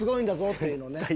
っていうのをね。